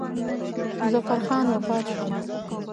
مظفر خان وفات شو.